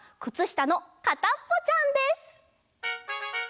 くつしたのかたっぽちゃんです。